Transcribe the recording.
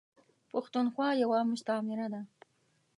پښتونخوا یوه مستعمیره ده .